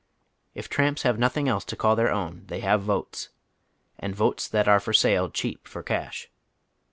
If tramps have nothing else to call their own they have votes, and votes that are for sale cheap for cash.